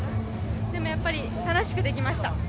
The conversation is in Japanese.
でもやっぱり楽しくできました。